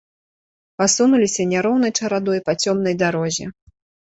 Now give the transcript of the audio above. Пасунуліся няроўнай чарадой па цёмнай дарозе.